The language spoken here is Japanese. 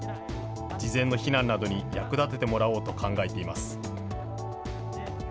事前の避難などに役立ててもらおうと考えています。